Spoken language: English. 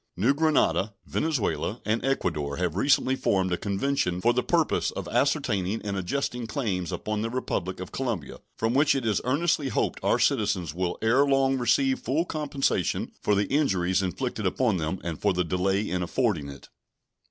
New Granada, Venezuela, and Ecuador have recently formed a convention for the purpose of ascertaining and adjusting claims upon the Republic of Colombia, from which it is earnestly hoped our citizens will ere long receive full compensation for the injuries inflicted upon them and for the delay in affording it.